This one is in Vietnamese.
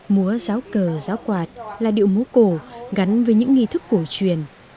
múa giáo cờ giáo quạt là điệu múa cổ gắn với những nghi thức cổ truyền